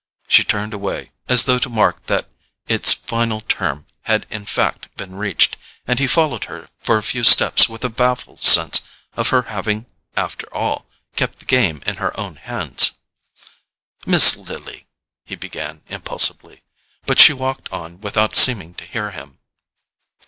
She turned away, as though to mark that its final term had in fact been reached, and he followed her for a few steps with a baffled sense of her having after all kept the game in her own hands. "Miss Lily——" he began impulsively; but she walked on without seeming to hear him.